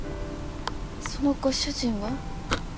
そのご主人は？